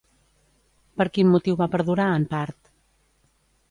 Per quin motiu va perdurar, en part?